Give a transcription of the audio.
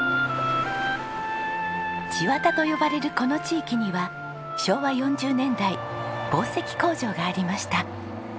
千綿と呼ばれるこの地域には昭和４０年代紡績工場がありました。